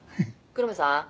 「黒目さん